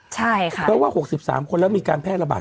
ใช่ค่ะเพราะว่า๖๓คนแล้วมีการแพร่ระบาด